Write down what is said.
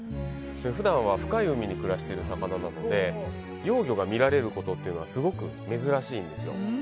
普段は深い海に暮らしている魚なので幼魚が見られるのはすごく珍しいんですよ。